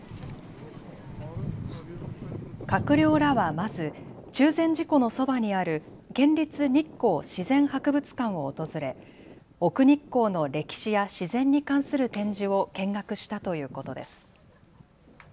閣僚らはまず中禅寺湖のそばにある県立日光自然博物館を訪れ奥日光の歴史や自然に関する展示を見学したということです。